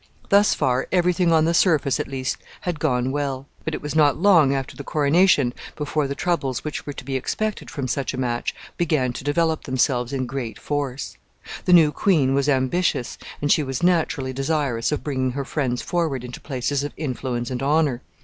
Thus far every thing on the surface, at least, had gone well; but it was not long after the coronation before the troubles which were to be expected from such a match began to develop themselves in great force. The new queen was ambitious, and she was naturally desirous of bringing her friends forward into places of influence and honor.